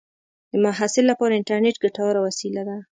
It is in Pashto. د محصل لپاره انټرنېټ ګټوره وسیله ده.